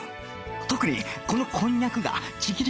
特にこのこんにゃくがちぎり